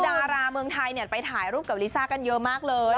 ดาราเมืองไทยไปถ่ายรูปกับลิซ่ากันเยอะมากเลย